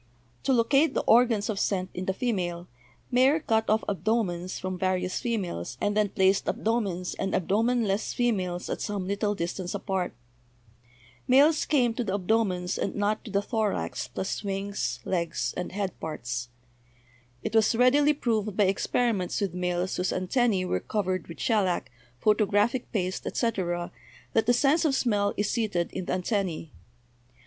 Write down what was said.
To locate the organs of scent in the female, Mayer cut off abdo mens from various females and then placed abdomens and abdomenless females at some little distance apart. Males came to the abdomens and not to the thorax plus SEXUAL SELECTION 223 wings, legs, and head parts. It was readily proved by experiments with males whose antennae were covered with shellac, photographic paste, etc., that the sense of smell is seated in the antennae.